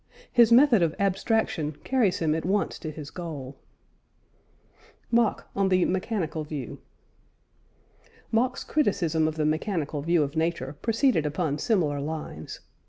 His method of abstraction carries him at once to his goal. MACH ON THE "MECHANICAL VIEW." Mach's criticism of the mechanical view of nature proceeded upon similar lines.